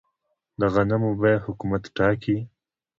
د غنمو بیه حکومت ټاکي؟